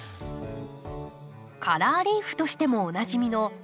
カラーリーフとしてもおなじみのラミウム。